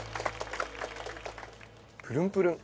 プルンプルン。